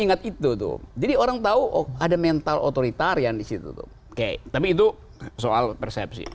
ingat itu tuh jadi orang tahu oh ada mental otoritarian disitu tuh oke tapi itu soal persepsi